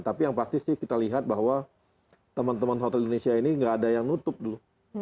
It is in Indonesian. tapi yang pasti sih kita lihat bahwa teman teman hotel indonesia ini nggak ada yang nutup dulu